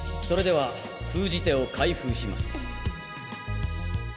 それでは封じ手を開封します。